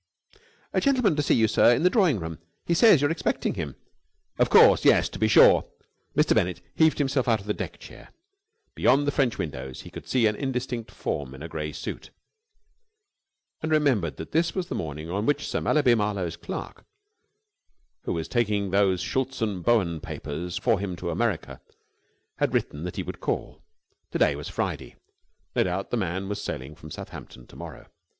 "A gentleman to see you, sir. In the drawing room. He says you are expecting him." "Of course, yes. To be sure." Mr. Bennett heaved himself out of the deck chair. Beyond the French windows he could see an indistinct form in a gray suit, and remembered that this was the morning on which Sir Mallaby Marlowe's clerk who was taking those Schultz and Bowen papers for him to America had written that he would call. To day was Friday; no doubt the man was sailing from Southampton to morrow.